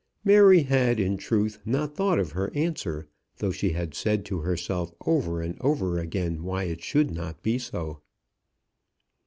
Mary had, in truth, not thought of her answer, though she had said to herself over and over again why it should not be so.